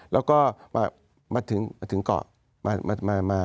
แล้วก็มาถึงเกาะมา